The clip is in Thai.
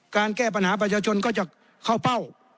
แก้ปัญหาประชาชนก็จะเข้าเป้า